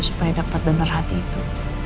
supaya dapet donor hati itu